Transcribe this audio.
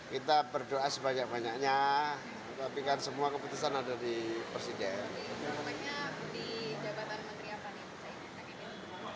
kita berdoa sebanyak banyaknya tapi kan semua keputusan ada di presiden